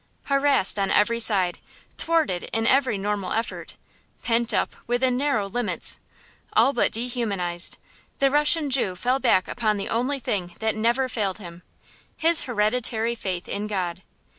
Harassed on every side, thwarted in every normal effort, pent up within narrow limits, all but dehumanized, the Russian Jew fell back upon the only thing that never failed him, his hereditary faith in God.